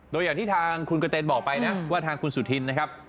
โดยอย่างที่ทางคุณกระเตนบอกไปนะว่าทางคุณสุธินนะครับ